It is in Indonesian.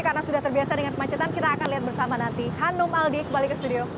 karena sudah terbiasa dengan kemacetan kita akan lihat bersama nanti hanum aldi kembali ke studio